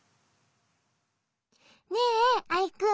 ねえアイくん。